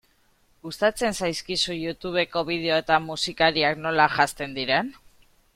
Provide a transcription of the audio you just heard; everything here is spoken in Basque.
Gustatzen zaizkizu Youtubeko bideoetan musikariak nola janzten diren?